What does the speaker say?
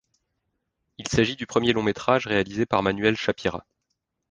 Il s'agit du premier long-métrage réalisé par Manuel Schapira.